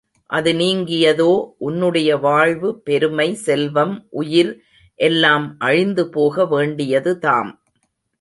அது நீங்கியதோ, உன்னுடைய வாழ்வு பெருமை, செல்வம், உயிர் எல்லாம் அழிந்து போக வேண்டியதுதாம்.